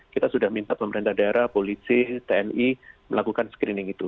kita sudah minta pemerintah daerah polisi tni melakukan screening itu